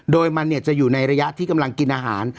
โดยมันจะอยู่ในระยะที่กำลังกินอาหาร